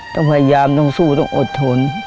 ต้องพยายามต้องสู้ต้องอดทน